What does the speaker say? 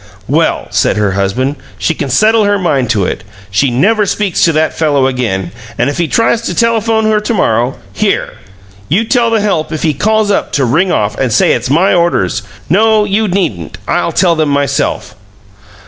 "Well," said her husband, "she can settle her mind to it. She never speaks to that fellow again, and if he tries to telephone her to morrow Here! You tell the help if he calls up to ring off and say it's my orders. No, you needn't. I'll tell 'em myself."